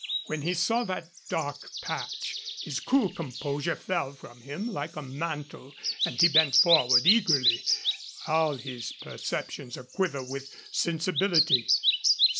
When he saw that dark patch, his cool composure fell from him like a mantle and he bent forward eagerly, all his perceptions aquiver with sensibility.